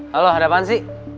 halo ada apaan sih